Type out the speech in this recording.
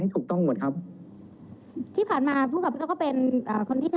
การถอดกล้องวงจรปิดออกเนี่ย